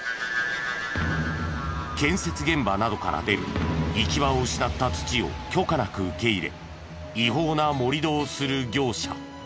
建設現場などから出る行き場を失った土を許可なく受け入れ違法な盛り土をする業者。